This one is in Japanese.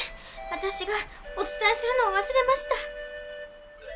私がお伝えするのを忘れました。